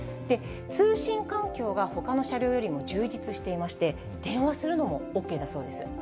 通信環境がほかの車両よりも充実していまして、電話するのもＯＫだそうです。